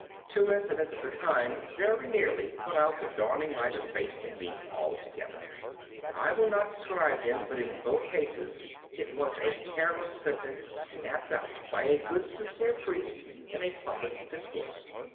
Two incidents of the kind very nearly put out the dawning light of faith in me altogether. I will not describe them, but in both cases it was a careless sentence snapped out by a good, sincere priest in a public discourse.